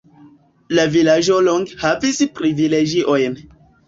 La vilaĝo longe havis privilegiojn.